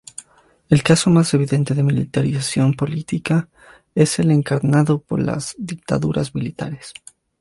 El caso más evidente de militarización política es el encarnado por las dictaduras militares.